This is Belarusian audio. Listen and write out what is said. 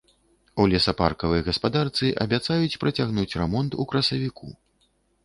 У лесапаркавай гаспадарцы абяцаюць працягнуць рамонт у красавіку.